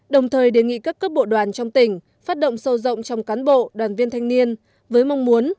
đồng thời đề nghị các cấp bộ đoàn trong tỉnh phát động sâu rộng trong cán bộ đoàn viên thanh niên với mong muốn